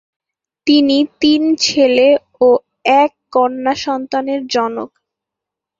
তিনি তিন ছেলে ও এক কন্যা সন্তানের জনক।